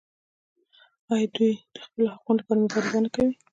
آیا دوی د خپلو حقونو لپاره مبارزه نه کوي؟